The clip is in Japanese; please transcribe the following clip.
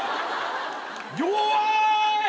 弱い！